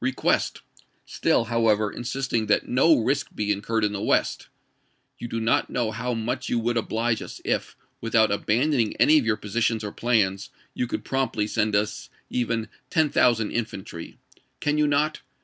request; still, however, insisting that no risk be iueurred in the West :" You do not know how much you would oblige us if, without abandoning any of your positions or plans, you could promptly send us even ten thousand infantry. Can you not?